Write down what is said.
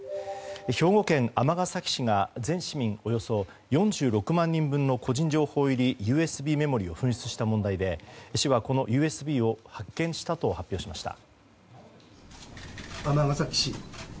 兵庫県尼崎市が全市民およそ４６万人分の個人情報入りＵＳＢメモリーを紛失した問題で市はこのＵＳＢを発見したと発表しました。